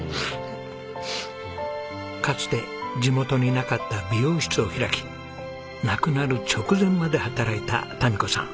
かつて地元になかった美容室を開き亡くなる直前まで働いたタミ子さん。